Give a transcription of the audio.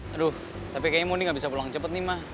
aduh tapi kayaknya moni gak bisa pulang cepet nih ma